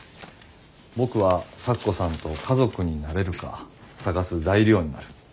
僕は咲子さんと家族になれるか探す材料になる。